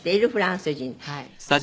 「はい」